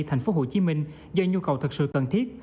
thành phố hồ chí minh do nhu cầu thật sự cần thiết